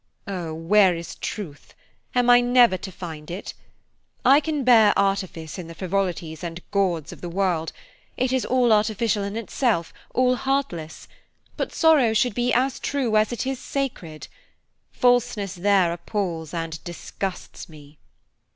Oh! where is Truth? am I never to find it? I can bear artifice in the frivolities and gauds of the world–it is all artificial in itself, all heartless–but sorrow should be as true as it is sacred. Falseness there appals and disgusts me."